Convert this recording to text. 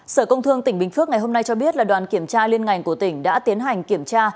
sở công thương tỉnh bình phước ngày hôm nay cho biết là đoàn kiểm tra liên ngành của tỉnh đã tiến hành kiểm tra